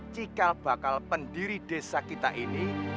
cikal bakal pendiri desa kita ini